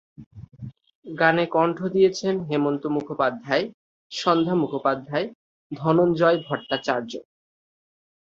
গানে কণ্ঠ দিয়েছেন হেমন্ত মুখোপাধ্যায়, সন্ধ্যা মুখোপাধ্যায়, ধনঞ্জয় ভট্টাচার্য।